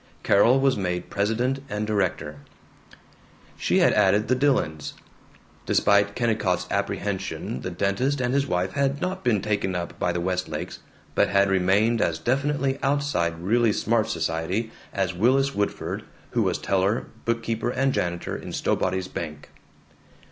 Carol was made president and director. She had added the Dillons. Despite Kennicott's apprehension the dentist and his wife had not been taken up by the Westlakes but had remained as definitely outside really smart society as Willis Woodford, who was teller, bookkeeper, and janitor in Stowbody's bank.